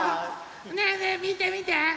ねえねえみてみて！